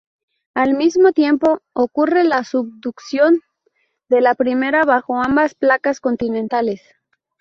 Al mismo tiempo ocurre la subducción de la primera bajo ambas placas continentales.